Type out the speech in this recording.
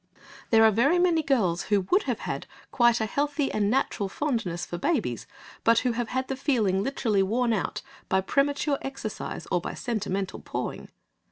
There are very many girls who would have had quite a healthy and natural fondness for babies, but who have had the feeling literally worn out by premature exercise or by sentimental pawing.